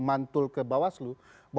mantul ke bawaslu